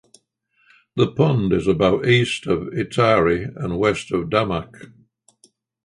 The pond is about east of Itahari and west of Damak.